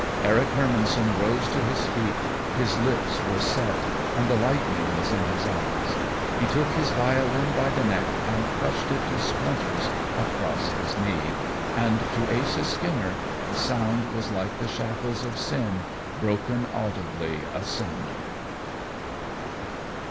Eric Hermannson rose to his feet; his lips were set and the lightning was in his eyes. He took his violin by the neck and crushed it to splinters across his knee, and to Asa Skinner the sound was like the shackles of sin broken audibly asunder.